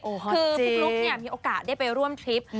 คือปุ๊กลุ๊กเนี่ยมีโอกาสได้ไปร่วมทริป